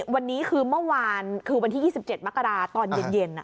วันนี้คือเมื่อวานคือวันที่๒๗มกราตอนเย็น